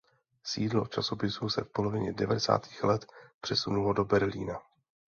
Sídlo časopisu se v polovině devadesátých let přesunulo do Berlína.